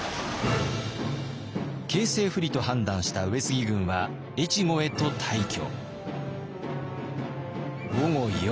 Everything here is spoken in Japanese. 形勢不利と判断した上杉軍は越後へと退去。